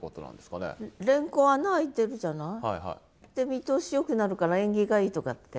見通しよくなるから縁起がいいとかって。